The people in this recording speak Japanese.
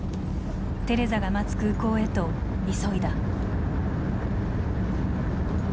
テレザが待つ空港へと急いだ。